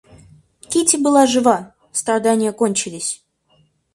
Кити была жива, страдания кончились.